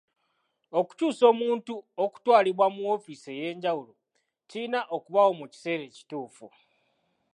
Okukyusa omuntu okutwalibwa mu woofiisi ey'enjawulo kirina okubaawo mu kiseera ekituufu.